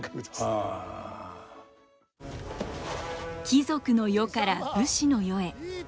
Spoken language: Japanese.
貴族の世から武士の世へ。